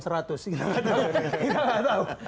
kita gak tau